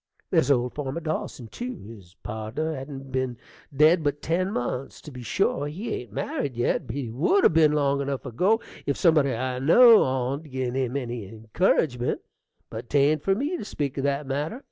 There's old farmer Dawson, tew, his pardner hain't ben dead but ten months. To be sure, he ain't married yet; but he would 'a' ben long enough ago, if somebody I know on 'd gin him any incurridgement. But 'tain't for me to speak o' that matter.